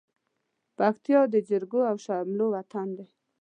پکتيا د جرګو او شملو وطن دى.